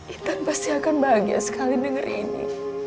intan pasti akan bahagia sekali denger ini